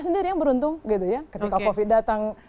sendiri yang beruntung gitu ya ketika covid datang